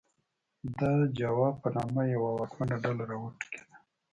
د اجاو په نامه یوه واکمنه ډله راوټوکېده